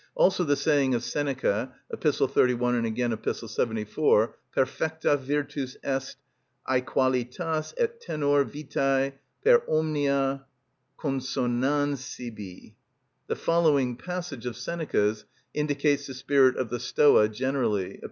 Also the saying of Seneca (Ep. 31, and again Ep. 74): "Perfecta virtus est æqualitas et tenor vitæ per omnia consonans sibi." The following passage of Seneca's indicates the spirit of the Stoa generally (Ep.